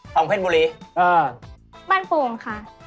ทองเพศบุรีอ่าบ้านฟูงค่ะ